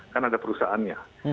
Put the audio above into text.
kan ada perusahaannya